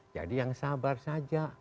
jadi yang sabar saja